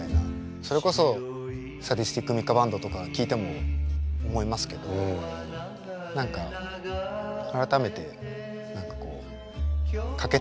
それこそサディスティック・ミカ・バンドとか聴いても思いますけど何か改めてかけたいなと思って。